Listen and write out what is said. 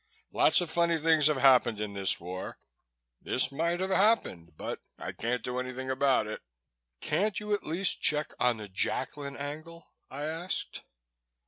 Lots of funny things have happened in this war. This might have happened. But I can't do anything about it." "Can't you at least check on the Jacklin angle?" I asked.